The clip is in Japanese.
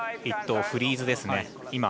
１投フリーズですね。